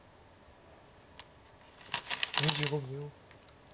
２５秒。